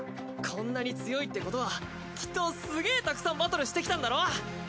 こんなに強いってことはきっとすげぇたくさんバトルしてきたんだろ？